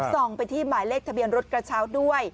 ส่งไปที่หมายเลขทะเบียนรถกระเช้าด้วย